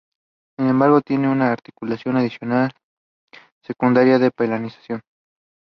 It displaces or in the Marlin Heritage version and carries of lead ballast.